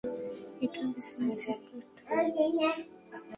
এটা business secret.